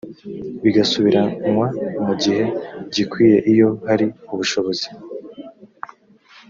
bigasubiranywa mu gihe gikwiye iyo hari ubushobozi